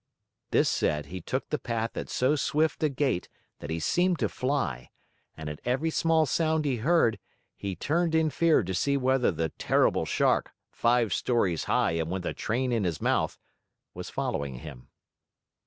This said, he took the path at so swift a gait that he seemed to fly, and at every small sound he heard, he turned in fear to see whether the Terrible Shark, five stories high and with a train in his mouth, was following him.